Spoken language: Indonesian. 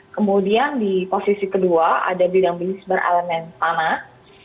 kemudian di posisi kedua ada bidang bisnis berelemen tanah